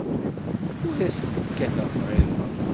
Ur asent-kkateɣ lɣiḍa.